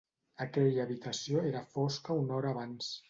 Aquella habitació era fosca una hora abans.